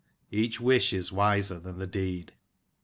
each wish is wiser than the deed."